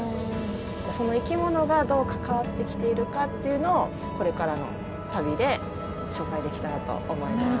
その生き物がどう関わってきているかっていうのをこれからの旅で紹介できたらと思います。